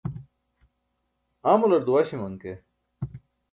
amular duwaśaman ke